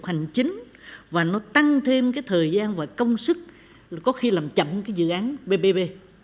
hành chính và nó tăng thêm cái thời gian và công sức có khi làm chậm cái dự án bbb